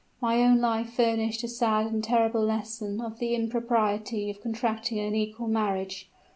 My own life furnished a sad and terrible lesson of the impropriety of contracting an unequal marriage.